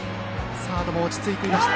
サードも落ち着いていました。